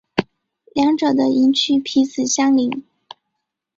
两者的营区彼此相邻。